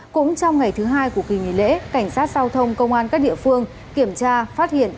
cũng trong ngày thứ hai của kỳ nghỉ lễ cảnh sát giao thông công an các địa phương kiểm tra phát hiện